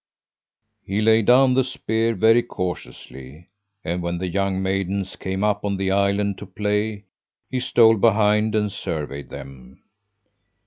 "He laid down the spear very cautiously, and when the young maidens came up on the island to play, he stole behind and surveyed them.